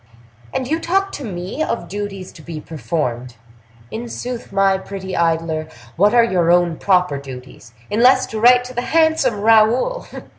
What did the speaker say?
And you talk to me of duties to be performed! In sooth, my pretty idler, what are your own proper duties, unless to write to the handsome Raoul?